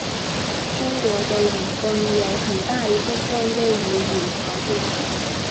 中国的冷锋有很大一部分位于隐槽中。